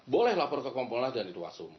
boleh laporkan ke komponlas dan irwasum